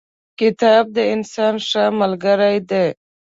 کتاب د انسان ښه ملګری دی.